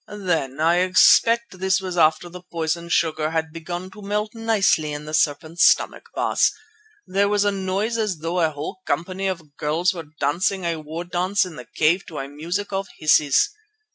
Then—I expect this was after the poison sugar had begun to melt nicely in the serpent's stomach, Baas—there was a noise as though a whole company of girls were dancing a war dance in the cave to a music of hisses.